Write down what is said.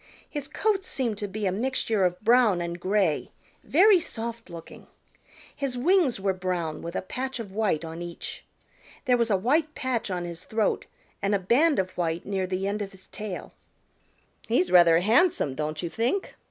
His coat seemed to be a mixture of brown and gray, very soft looking. His wings were brown with a patch of white on each. There was a white patch on his throat and a band of white near the end of his tail. "He's rather handsome, don't you think?"